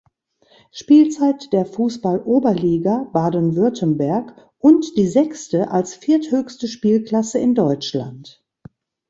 Spielzeit der Fußball-Oberliga Baden-Württemberg und die sechste als vierthöchste Spielklasse in Deutschland.